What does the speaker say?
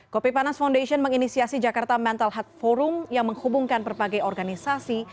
kopi panas foundation menginisiasi jakarta mental heart forum yang menghubungkan berbagai organisasi